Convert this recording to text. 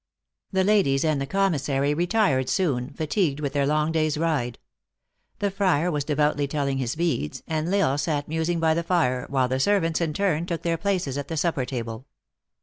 The ladies and the commissary retired soon, fatigued with their long day s ride. The friar was devoutly telling his beads, and L Isle sat musing by the fire, while the servants, in turn, took their places at the supper table.